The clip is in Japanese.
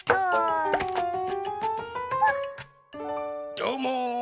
どうも！